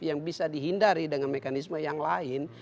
yang bisa dihindari dengan mekanisme yang lain